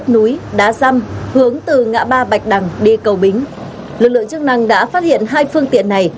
lực lượng chức năng đã phát hiện hai phương tiện này